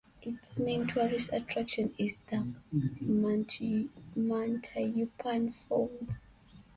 Its main tourist attraction is the Mantayupan Falls.